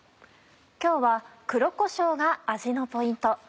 今日は黒こしょうが味のポイント